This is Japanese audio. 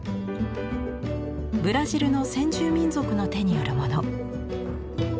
ブラジルの先住民族の手によるもの。